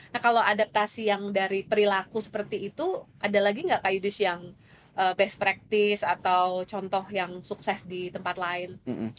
nah kalau adaptasi yang dari perilaku seperti itu ada lagi nggak kak yudis yang best practice atau contoh yang sukses di tempat lain